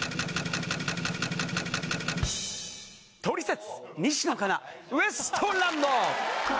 トリセツ、西野カナ、ウエストランド。